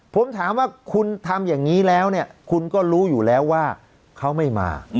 ผมถามว่าคุณทำอย่างนี้แล้วเนี่ยคุณก็รู้อยู่แล้วว่าเขาไม่มา